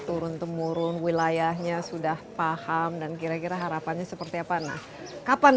turun temurun wilayahnya sudah paham dan kira kira harapannya seperti apa nah kapan